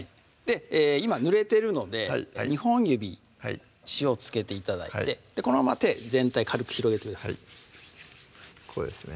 今ぬれてるので２本指塩を付けて頂いてこのまま手全体軽く広げてくださいこうですね